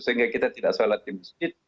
sehingga kita tidak sholat di masjid